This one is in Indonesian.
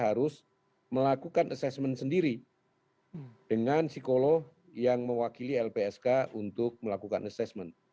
harus melakukan assessment sendiri dengan psikolog yang mewakili lpsk untuk melakukan assessment